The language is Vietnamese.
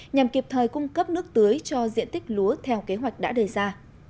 nhằm kịp thời cung cấp nước tưới cho diện tích lúa theo kế hoạch đã đề ra